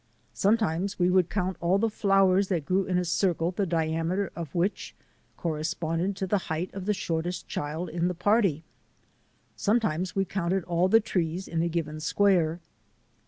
Sometimes we would count all the flowers that grew in a circle the diameter of which corresponded to the height of the shortest child in the party. Sometimes we counted all the trees in a given square.